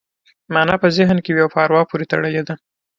مانا په ذهن کې وي او په اروا پورې تړلې ده